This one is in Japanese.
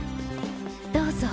どうぞ。